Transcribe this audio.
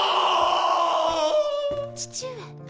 父上。